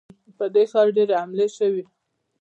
پر دې ښار ډېرې حملې شوي.